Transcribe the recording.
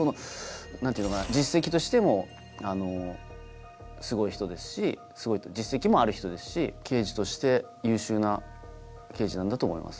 何ていうのかな実績としてもすごい人ですし実績もある人ですし刑事として優秀な刑事なんだと思います。